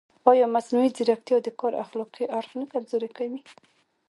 ایا مصنوعي ځیرکتیا د کار اخلاقي اړخ نه کمزوری کوي؟